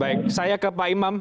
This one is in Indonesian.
baik saya ke pak imam